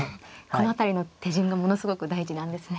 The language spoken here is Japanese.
この辺りの手順がものすごく大事なんですね。